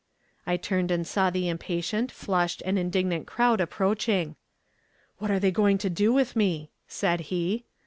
I turned and saw the impatient, flushed, and indignant crowd approaching. 'What are they going to do with me?' said he.